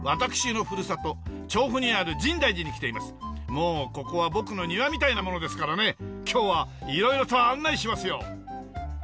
もうここは僕の庭みたいなものですからね今日は色々と案内しますよ。